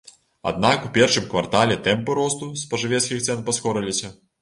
Аднак у першым квартале тэмпы росту спажывецкіх цэн паскорыліся.